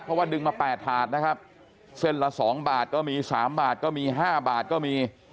เพราะว่าดึงมา๘ถาดนะครับเส้นละ๒บาทก็มี๓บาทก็มี๕บาทก็มี